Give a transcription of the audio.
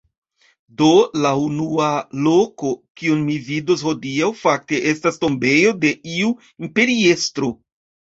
Do, la unua loko, kiun mi vidos hodiaŭ fakte estas tombejo de iu imperiestro